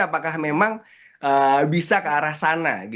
apakah memang bisa ke arah sana